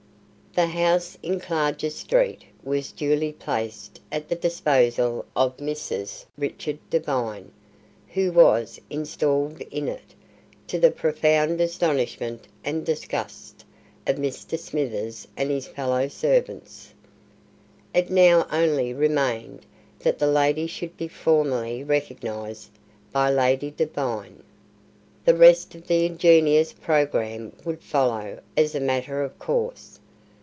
The house in Clarges Street was duly placed at the disposal of Mrs. Richard Devine, who was installed in it, to the profound astonishment and disgust of Mr. Smithers and his fellow servants. It now only remained that the lady should be formally recognized by Lady Devine. The rest of the ingenious programme would follow as a matter of course.